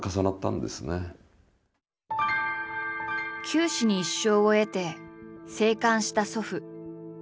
九死に一生を得て生還した祖父。